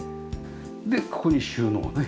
でここに収納ね。